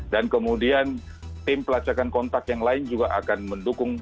dan kemudian tim pelacakan kontak yang lain juga akan mendukung